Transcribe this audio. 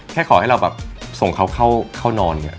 แค่ขอให้เราส่งเขาเข้านอน